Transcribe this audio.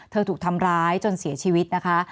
ถูกทำร้ายจนเสียชีวิตนะคะ